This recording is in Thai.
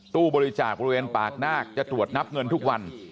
ตู้บริจาคบริเวณปากนาคจะตรวจนับเงินทุกวัน